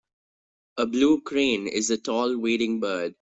A blue crane is a tall wading bird.